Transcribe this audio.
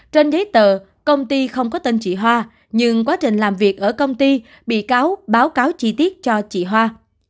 trên giấy tờ công ty không có tên chị hoa nhưng quá trình làm việc ở công ty bị cáo báo cáo chi tiết cho chị hoa